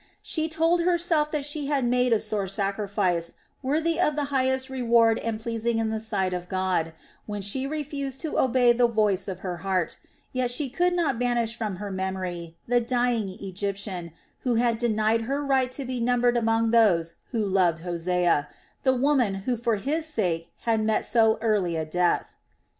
She told herself that she had made a sore sacrifice, worthy of the highest reward and pleasing in the sight of God, when she refused to obey the voice of her heart, yet she could not banish from her memory the dying Egyptian who had denied her right to be numbered among those who loved Hosea, the woman who for his sake had met so early a death.